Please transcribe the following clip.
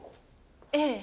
ええ。